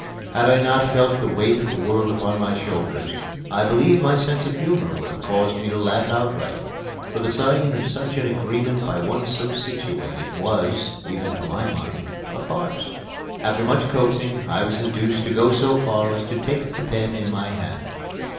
Had I not felt the weight of the world on my shoulders, I believe my sense of humor would have caused me to laugh outright; for the signing of such an agreement by one so situated was, even to my mind, a farce. After much coaxing I was induced to go so far as to take the pen in my hand.